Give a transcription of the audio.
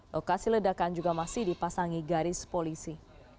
lokasi ledakan juga masih dipasangi garis polisi